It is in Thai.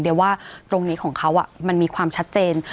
เดี๋ยวว่าตรงนี้ของเขามันมีความชัดเจน